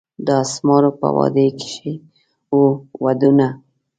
د اسمارو په وادي کښي وو ودونه